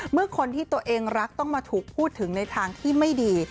เมื่อคนที่ตัวเองรักต้องมาถูกพูดถึงในทางที่ไม่ดี